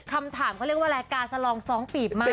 คำถามเขาเรียกว่าอะไรกาสลอง๒ปีบมาก